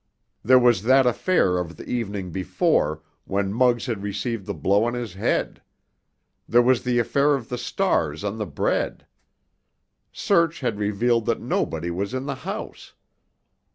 There was that affair of the evening before, when Muggs had received the blow on his head. There was the affair of the stars on the bread. Search had revealed that nobody was in the house.